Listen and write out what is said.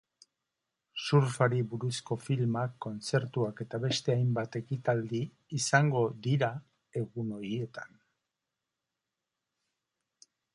Surfari buruzko filmak, kontzertuak eta beste hainbat ekitaldi izango dira egun horietan.